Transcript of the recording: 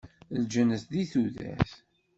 Lǧennet di tudert.